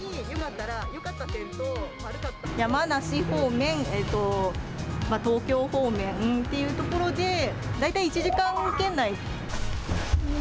山梨方面、東京方面というところで、大体１時間圏内。